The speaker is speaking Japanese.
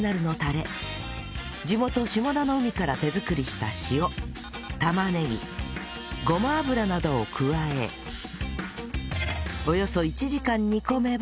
地元下田の海から手作りした塩玉ねぎごま油などを加えおよそ１時間煮込めば